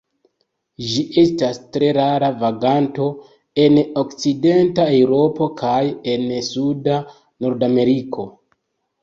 Ĝi estas tre rara vaganto en okcidenta Eŭropo kaj en suda Nordameriko.